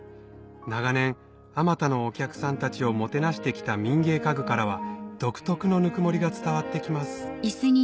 長年あまたのお客さんたちをもてなして来た民芸家具からは独特のぬくもりが伝わって来ます